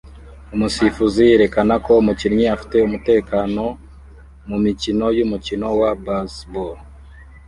Umusifuzi yerekana ko umukinnyi afite umutekano mumikino yumukino wa baseball